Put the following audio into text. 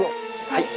はい。